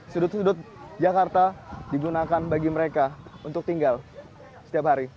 sudut sudut jakarta digunakan bagi mereka untuk tinggal setiap hari